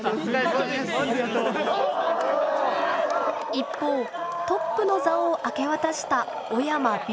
一方トップの座を明け渡した小山Ｂ。